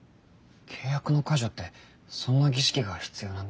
契約の解除ってそんな儀式が必要なんですね。